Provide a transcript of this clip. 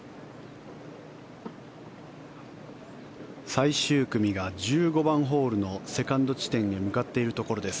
最終組が１５番ホールのセカンド地点へ向かっているところです。